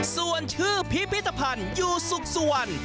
ส่วนชื่อพิพิธภัณฑ์อยู่สุขสวรรค์